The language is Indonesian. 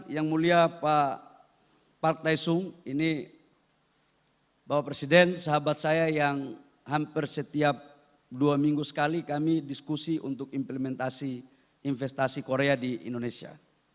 yang mulia pak partai sung ini bapak presiden sahabat saya yang hampir setiap dua minggu sekali kami diskusi untuk implementasi investasi korea di indonesia